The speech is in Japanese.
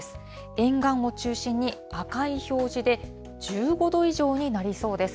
沿岸を中心に赤い表示で、１５度以上になりそうです。